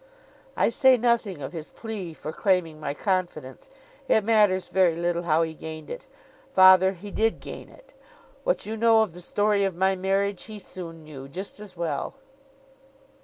'I say nothing of his plea for claiming my confidence. It matters very little how he gained it. Father, he did gain it. What you know of the story of my marriage, he soon knew, just as well.